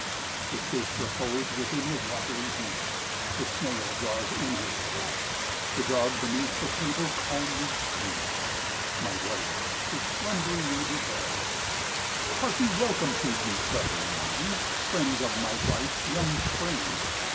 The fish repose within the watery deeps, The snail draws in his head; The dog beneath the table calmly sleeps, My wife is slumbering in her bed. A hearty welcome to ye, brethren mine! Friends of my life's young spring!